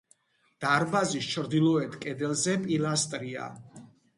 დარბაზის ჩრდილოეთ კედელზე პილასტრია.